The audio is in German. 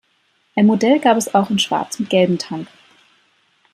Ein Modell gab es auch in schwarz mit gelbem Tank.